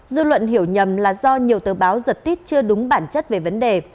dư luận hiểu nhầm là do nhiều tờ báo giật tít chưa đúng bản chất về vấn đề